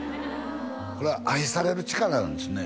これは愛される力なんですね